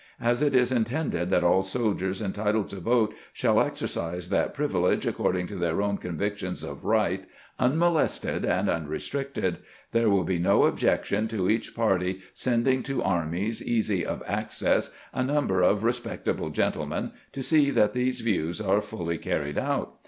As it is intended that aU soldiers entitled to vote shall exer cise that privilege according to their own convictions of right, unmolested and unrestricted, there wiU be no objection to each party sending to armies easy of access a number of respectable gentlemen to see that these views are fully carried out.